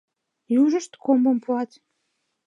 Южышт комбым пуат.